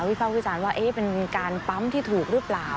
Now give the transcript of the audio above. ภาควิจารณ์ว่าเป็นการปั๊มที่ถูกหรือเปล่า